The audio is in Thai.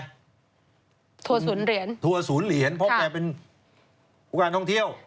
ทัวร์ศูนย์เหรียญทัวร์ศูนย์เหรียญเพราะแกเป็นการท่องเที่ยว